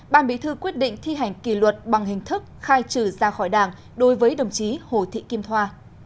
ban bí thư quyết định thi hành kỳ luật bằng hình thức khai trừ ra khỏi đảng đối với đồng chí hồ thị kim thoa